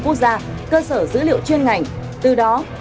qua nó tận dụng những dữ liệu